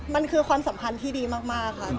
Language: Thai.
มันเป็นสัมพันธ์ที่ดีมากค่ะ